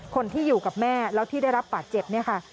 คนที่อยู่กับแม่แล้วที่ได้รับปากเจ็บ